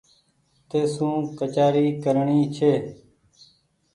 تيسو ڪچآري ڪرڻي ڇي